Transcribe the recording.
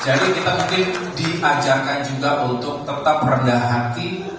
jadi kita mungkin diajarkan juga untuk tetap rendah hati